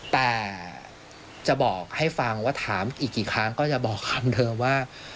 แต่จะบอกให้ฟังว่าถามอีกกี่ครั้งก็จะบอกคำเดิมว่า